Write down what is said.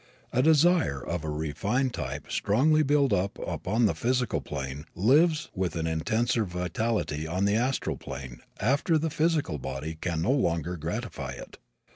A desire of a refined type strongly built up upon the physical plane lives with an intenser vitality on the astral plane after the physical body can no longer gratify it.